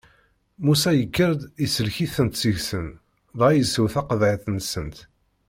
Musa yekker-d isellek-itent seg-sen, dɣa yessew taqeḍɛit-nsent.